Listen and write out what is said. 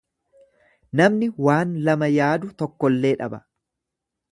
Namni waan lama yaadu tokkollee dhaba.